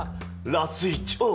ラスイチを。